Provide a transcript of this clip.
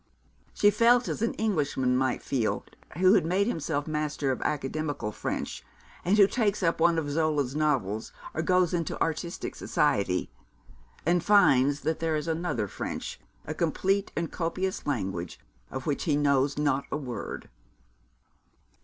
She felt as an Englishman may feel who has made himself master of academical French, and who takes up one of Zola's novels, or goes into artistic society, and finds that there is another French, a complete and copious language, of which he knows not a word.